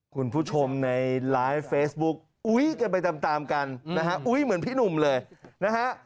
คุณผู้ชมในไลฟ์เฟซบุ๊กอุ๊ยกันไปตามตามกันนะฮะอุ๊ยเหมือนพี่หนุ่มเลยนะฮะ